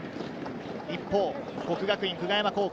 一方、國學院久我山高校。